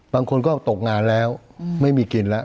บางคนก็ตกงานแล้วไม่มีกินแล้ว